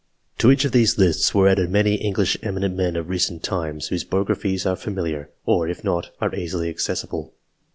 To each of these lists were added many English eminent men of recent times, whose biographies are familiar, or, if not, are easily acces sible.